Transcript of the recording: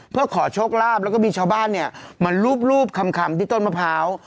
เพื่อขอโชคลาภแล้วก็มีชาวบ้านเนี่ยมารูปคำที่ต้นมะพร้าว